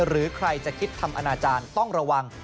หรือใครจะคิดทำอนาจารย์ต้องระวัง